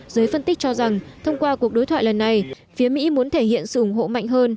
giới phân tích cho rằng thông qua cuộc đối thoại lần này phía mỹ muốn thể hiện sự ủng hộ mạnh hơn